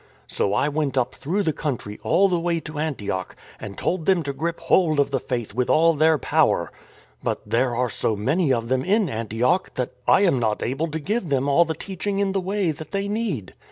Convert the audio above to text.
" So I went up through the country all the way to Antioch and told them to grip hold of the faith with all their power. " But there are so many of them in Antioch that I am not able to give them all the teaching in the Way that they need.